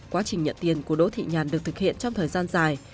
quá trình nhận tiền của đỗ thị nhàn được thực hiện trong thời gian dài